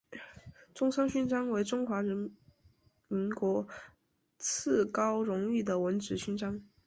中山勋章为中华民国次高荣誉的文职勋章。